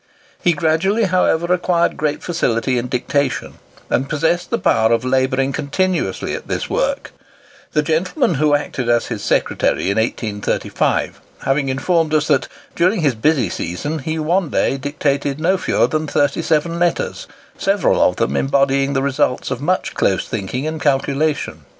He gradually, however, acquired great facility in dictation, and possessed the power of labouring continuously at this work; the gentleman who acted as his secretary in 1835, having informed us that during his busy season he one day dictated not fewer than 37 letters, several of them embodying the results of much close thinking and calculation.